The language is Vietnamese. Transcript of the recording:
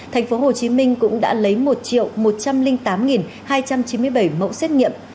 thành phố hồ chí minh cũng đã lấy một một trăm linh tám hai trăm chín mươi bảy mẫu xét nghiệm